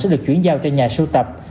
sẽ được chuyển giao cho nhà sưu tập